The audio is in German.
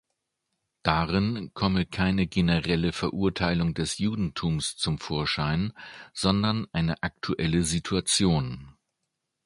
Darin komme keine generelle Verurteilung des Judentums zum Vorschein, sondern eine aktuelle Situation.